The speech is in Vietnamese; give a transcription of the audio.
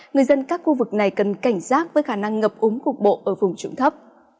người dân các khu vực này cần cảnh giác với khả năng ngập úng cục bộ ở vùng trụng thấp